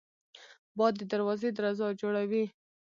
باد د دروازې درزا جوړوي